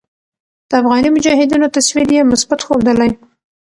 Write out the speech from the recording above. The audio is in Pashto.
د افغاني مجاهدينو تصوير ئې مثبت ښودلے